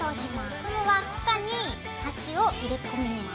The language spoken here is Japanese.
その輪っかに端を入れ込みます。